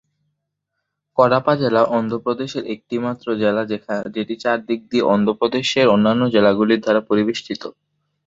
কাডাপা জেলা অন্ধ্রপ্রদেশের একমাত্র জেলা যেটি চারদিক দিয়ে অন্ধ্রপ্রদেশের অন্যান্য জেলাগুলির দ্বারা পরিবেষ্টিত।